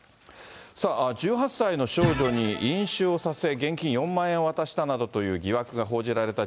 さあ、１８歳の少女に飲酒をさせ、現金４万円を渡したなどという疑惑が報じられた